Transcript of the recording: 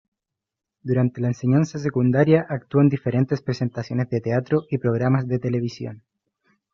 Durante la enseñanza secundaria actuó en diferentes presentaciones de teatro y programas de televisión.